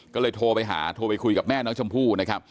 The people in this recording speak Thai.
ก็เลยโทรไปหาโทรไปคุยกับแม่น้องชมพู่นะครับ